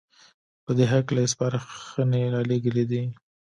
په دې هکله يې سپارښنې رالېږلې دي